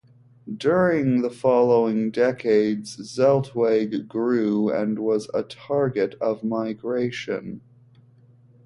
During the following decades, Zeltweg grew and was a target of migration.